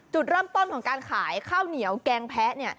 จุดเริ่มต้นของการขายข้าวเหนียวแกงแพ้